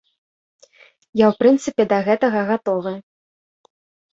Я ў прынцыпе да гэтага гатовы.